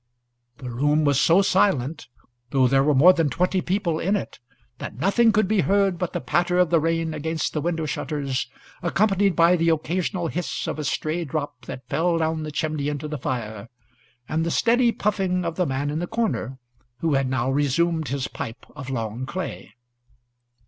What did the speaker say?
The room was so silent though there were more than twenty people in it that nothing could be heard but the patter of the rain against the window shutters, accompanied by the occasional hiss of a stray drop that fell down the chimney into the fire, and the steady puffing of the man in the corner, who had now resumed his pipe of long clay.